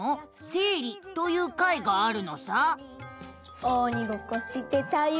生理」という回があるのさ。